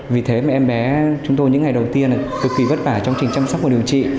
vì thế mà em bé chúng tôi những ngày đầu tiên là cực kỳ vất vả trong trình chăm sóc và điều trị